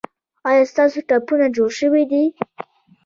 ایا ستاسو ټپونه جوړ شوي دي؟